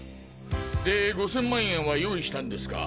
で５千万円は用意したんですか？